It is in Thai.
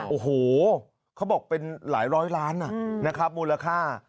โอ้โหเขาบอกเป็นหลายร้อยล้านนะครับมูลค่า